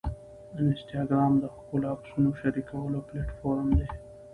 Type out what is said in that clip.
انسټاګرام د ښکلو عکسونو شریکولو پلیټفارم دی.